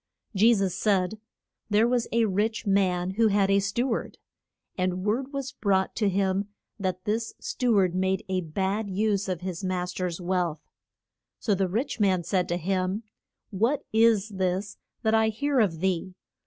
Je sus said, There was a rich man who had a stew ard. And word was brought to him that this stew ard made a bad use of his mas ter's wealth. So the rich man said to him, What is this that I hear of thee?